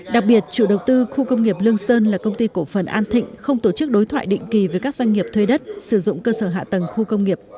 đặc biệt chủ đầu tư khu công nghiệp lương sơn là công ty cổ phần an thịnh không tổ chức đối thoại định kỳ với các doanh nghiệp thuê đất sử dụng cơ sở hạ tầng khu công nghiệp